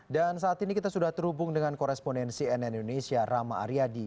dan saat ini kita sudah terhubung dengan koresponensi nn indonesia rama aryadi